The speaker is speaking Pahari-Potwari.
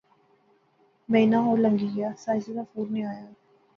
مہینہ ہور لنگی گیا، ساجدے ناں فون نی آیا